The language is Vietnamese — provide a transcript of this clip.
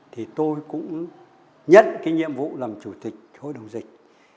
thì tôi cũng nhận cái nhiệm vụ làm chủ tịch hội đồng dịch